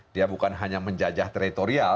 dia bukan hanya menjajah teritorial